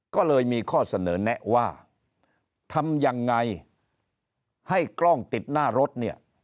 ก็เลยมีข้อเสนอแนะว่าทำยังไงให้กล้องติดหน้ารถเนี่ย